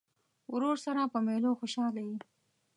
ورور سره په مېلو خوشحاله یې.